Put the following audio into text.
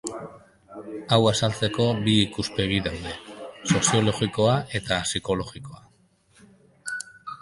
Hau azaltzeko bi ikuspegi daude: Soziologikoa eta Psikologikoa.